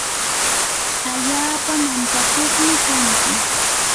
allaapa mantsakuqmi kanki.